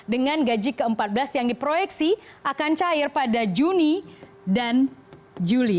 dengan gaji ke empat belas yang diproyeksi akan cair pada juni dan juli